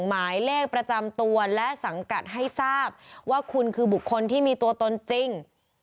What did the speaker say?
หมายเลขประจำตัวและสังกัดให้ทราบว่าคุณคือบุคคลที่มีตัวตนจริง